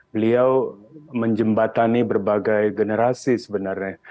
beliau menjembatani berbagai generasi sebenarnya